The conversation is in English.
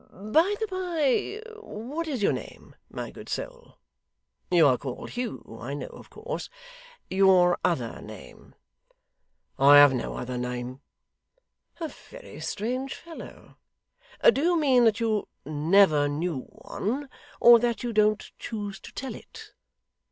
By the bye, what is your name, my good soul? You are called Hugh, I know, of course your other name?' 'I have no other name.' 'A very strange fellow! Do you mean that you never knew one, or that you don't choose to tell it?